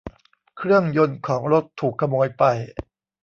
เครื่องยนต์ของรถถูกขโมยไป